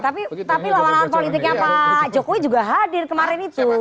tapi lawan lawan politiknya pak jokowi juga hadir kemarin itu